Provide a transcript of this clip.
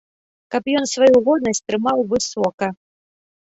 Каб ён сваю годнасць трымаў высока.